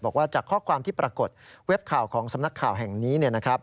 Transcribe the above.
บอกว่าจากข้อความที่ปรากฏเว็บข่าวของสำนักข่าวแห่งนี้